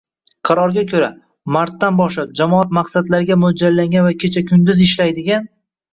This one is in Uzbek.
Qarorga ko‘ra, martdan boshlab jamoat maqsadlariga mo‘ljallangan va kecha-kunduz ishlaydigan